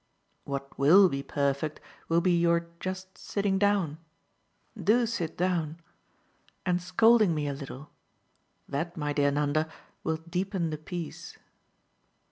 What WILL be perfect will be your just sitting down DO sit down and scolding me a little. That, my dear Nanda, will deepen the peace."